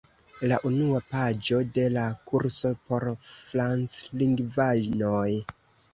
La unua paĝo de la kurso por franclingvanoj.